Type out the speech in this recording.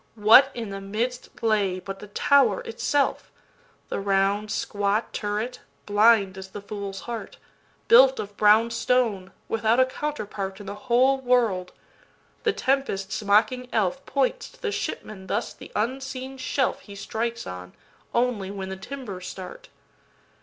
What in the midst lay but the Tower itself? The round squat turret, blind as the fool's heart, Built of brown stone, without a counter partIn the whole world. The tempest's mocking elfPoints to the shipman thus the unseen shelfHe strikes on, only when the timbers start.